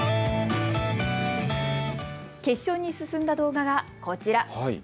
決勝に進んだ動画が、こちら。